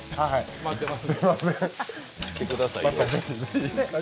待ってます。